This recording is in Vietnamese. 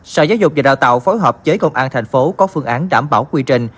sở giáo dục và đào tạo phối hợp với công an thành phố có phương án đảm bảo quy trình